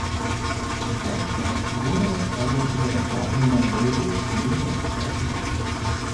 In Deutschland wurde das Album über das Dortmunder Label pläne veröffentlicht.